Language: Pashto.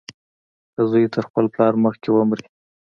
که زوى تر خپل پلار مخکې ومري.